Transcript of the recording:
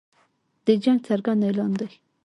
د جنګ څرګند اعلان دی.